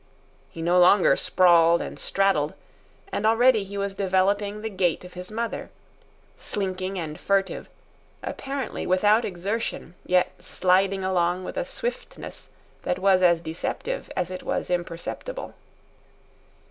He no longer sprawled and straddled, and already he was developing the gait of his mother, slinking and furtive, apparently without exertion, yet sliding along with a swiftness that was as deceptive as it was imperceptible.